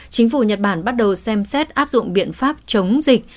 chính phủ nhật bản bắt đầu xem xét áp dụng biện pháp chống dịch